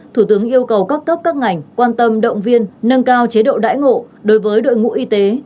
thủ tướng yêu cầu các cấp các ngành quan tâm động viên nâng cao chế độ đãi ngộ đối với đội ngũ y tế